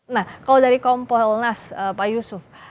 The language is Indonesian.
nah kalau dari kompol nas pak yusuf